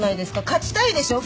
勝ちたいでしょ？